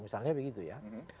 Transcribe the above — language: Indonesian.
misalnya begitu ya